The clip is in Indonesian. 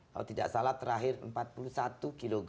kalau tidak salah terakhir empat puluh satu kg